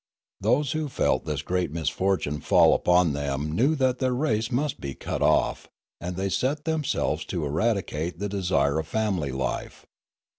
Those who felt this great misfortune fall upon them knew that their race must be cut off; and they set themselves to eradi cate the desire of family life.